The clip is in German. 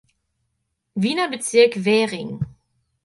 Wiener Bezirk Währing.